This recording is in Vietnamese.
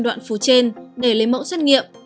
đoạn phố trên để lấy mẫu xét nghiệm